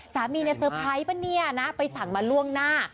สามีเนี่ยเซอร์ไพรส์ป่ะเนี่ยนะไปสั่งมาล่วงหน้า